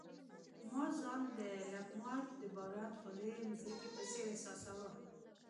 ما ځان د لمپارډ د باران خوړلي مځکې په څېر احساساوه.